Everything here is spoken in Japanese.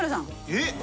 えっ！？